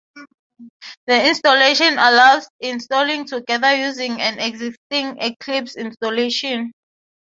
The installation allows installing Together using an existing Eclipse installation.